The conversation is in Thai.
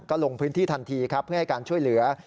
ก็ลงพื้นที่ทันทีครับเพื่อให้การช่วยเหลือ